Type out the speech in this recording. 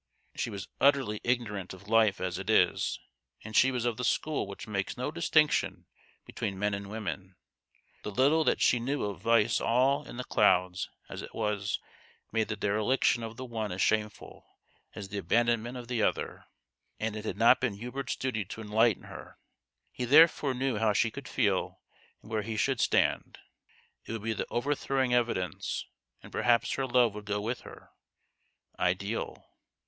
She was utterly ignorant of life as it is ; and she was of the school which makes no distinction between men and women. The little that she knew of vice all in the clouds as it was made the dereliction of the one as shameful as the abandonment of the other ; and it had not been 178 THE GHOST OF THE PAST. Hubert's duty to enlighten her. He therefore knew how she would feel and where he should stand. It would be the overthrowing evidence, and perhaps her love would go with her ideal.